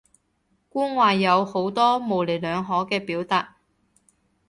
官話有好多模棱兩可嘅表達